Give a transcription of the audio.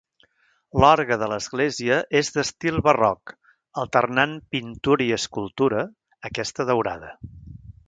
L'orgue de l'església és d'estil barroc, alternant pintura i escultura, aquesta daurada.